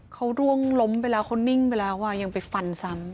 เขาร่วงลมเวลาคนนิ่งเวลาว่ายังไปฟันซ้ำ